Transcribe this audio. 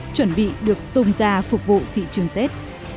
chuẩn bị được tung ra phục vụ thị trường tết